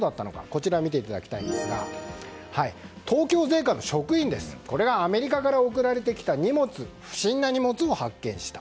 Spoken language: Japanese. こちら見ていただきたいんですが東京税関の職員です。これがアメリカから送られてきた不審な荷物を発見した。